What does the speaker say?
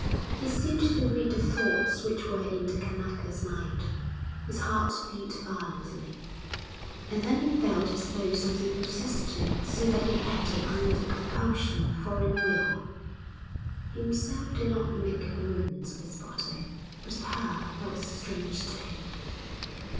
He seemed to read the thoughts which were in the Kanaka's mind. His heart beat violently. And then he felt as though something possessed him so that he acted under the compulsion of a foreign will. Himself did not make the movements of his body, but a power that was strange to him.